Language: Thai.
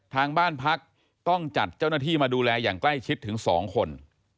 ทางบ้านพักต้องจัดเจ้าหน้าที่มาดูแลอย่างใกล้ชิดถึง๒คน